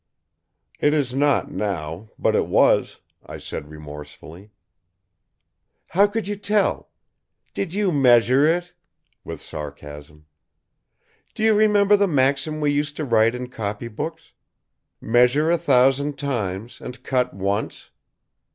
"It is not now, but it was," I said remorsefully. "How could you tell? Did you measure it?" with sarcasm. "Do you remember the maxim we used to write in copybooks? 'Measure a thousand times, and cut once?'